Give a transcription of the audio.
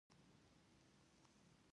هغې ویل د خپل انصاف ثبوت به څه درکوم